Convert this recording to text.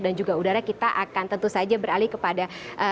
dan juga udara kita akan tentu saja beralih kepada